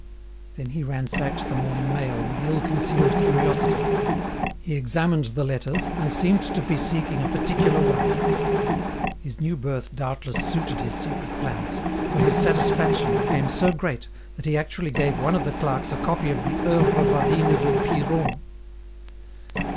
Then he ransacked the morning mail with ill concealed curiosity. He examined the letters, and seemed to be seeking a particular one. His new berth doubtless suited his secret plans, for his satisfaction became so great that he actually gave one of the clerks a copy of the "Oeuvres Badines de Piron."